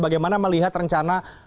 bagaimana melihat rencana